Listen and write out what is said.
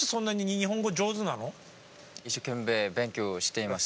一生懸命勉強しています。